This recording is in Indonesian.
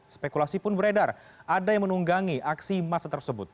spekulasi pun beredar ada yang menunggangi aksi massa tersebut